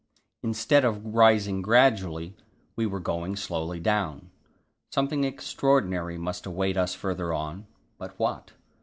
Instead of rising gradually, we were going slowly down. Something extraordinary must await us farther on, but, what?